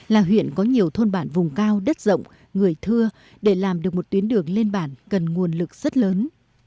là huyện có nhiều thôn bản vùng cao đất rộng người thưa để làm được một tuyến đường lên bản cần nguồn lực rất lớn